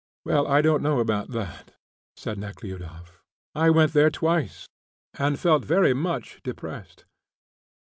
"Well, I don't know about that," said Nekhludoff. "I went there twice, and felt very much depressed."